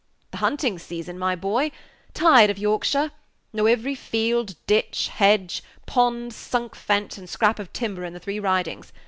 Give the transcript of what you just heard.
"The hunting season, my boy. Tired of Yorkshire; know every field, ditch, hedge, pond, sunk fence, and scrap of timber in the three Ridings.